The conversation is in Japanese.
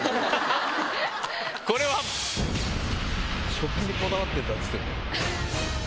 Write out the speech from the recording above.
食器にこだわってるっつってんの。